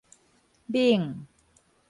錳